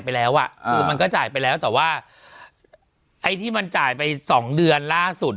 ไปแล้วอ่ะคือมันก็จ่ายไปแล้วแต่ว่าไอ้ที่มันจ่ายไปสองเดือนล่าสุด